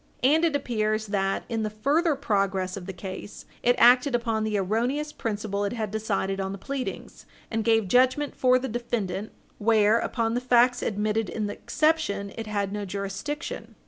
And it appears that, in the further progress of the case, it acted upon the erroneous principle it had decided on the pleadings, and gave judgment for the defendant where, upon the facts admitted in the exception, it had no jurisdiction.